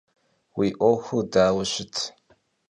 Vui 'uexur daue şıt?